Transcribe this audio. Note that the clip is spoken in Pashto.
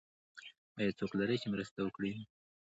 ایا څوک لرئ چې مرسته وکړي؟